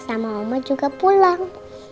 sama oma juga pulang